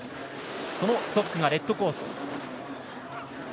そのツォックがレッドコース。